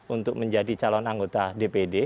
untuk menjadi calon anggota dpd